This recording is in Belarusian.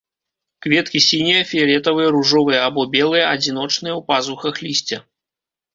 Кветкі сінія, фіялетавыя, ружовыя або белыя, адзіночныя ў пазухах лісця.